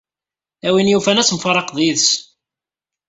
A win yufan ad temsefraqed yid-s.